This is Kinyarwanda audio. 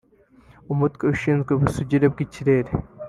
Umutwe ushinzwe ubusugire bw’ikirere